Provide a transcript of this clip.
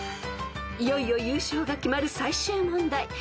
［いよいよ優勝が決まる最終問題］